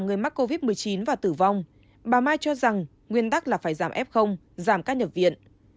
người mắc covid một mươi chín và tử vong bà mai cho rằng nguyên tắc là phải giảm f giảm các nhập viện